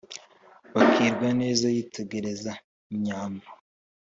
bakirwa neza yitegereza inyambo